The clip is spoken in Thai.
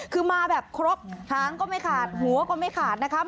คือมาแบบครบหางก็ไม่ขาดหัวก็ไม่ขาดนะครับ